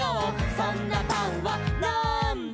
「そんなパンはなんだ？」